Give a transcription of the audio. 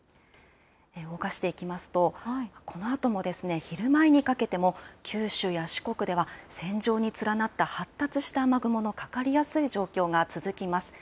動かしていきますとこのあとも昼前にかけて九州や四国では線状に連なった発達した雨雲がかかりやすい状態が続きます。